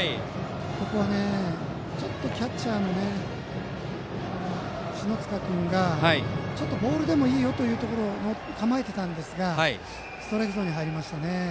ここはキャッチャーの篠塚君がちょっとボールでもいいというところに構えていたんですがストライクゾーンに入りましたね。